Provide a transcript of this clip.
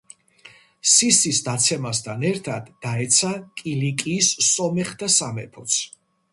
სისის დაცემასთან ერთად, დაეცა კილიკიის სომეხთა სამეფოც.